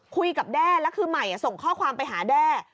แด้แล้วคือใหม่ส่งข้อความไปหาแด้